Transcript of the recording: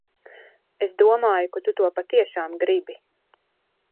Es domāju, ka tu to patiešām gribi.